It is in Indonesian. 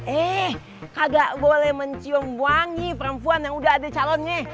eh kagak boleh mencium wangi perempuan yang udah ada calonnya